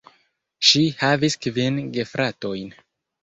Ŝi havis kvin gefratojn.